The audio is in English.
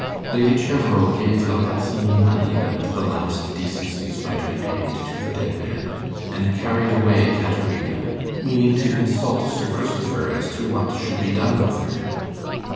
Lady Cheverel gave La Pazzini money that the last decencies might be paid to the dead man, and carried away Caterina, meaning to consult Sir Christopher as to what should be done with her.